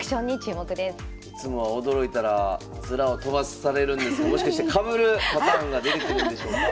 いつもは驚いたらヅラを飛ばされるんですけどもしかしてかぶるパターンが出てくるんでしょうか？